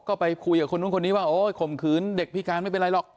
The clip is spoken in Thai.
ก็ไปคุยกับคนนู้นคนนี้ว่าโอ้ยข่มขืนเด็กพิการไม่เป็นไรหรอก